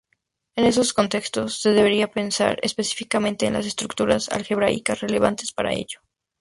En esos contextos, se debería pensar específicamente en las estructuras algebraicas relevantes para ellos.